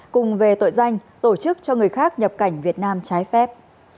cùng về tội danh tổ chức cho người khác nhập cảnh việt nam trái phép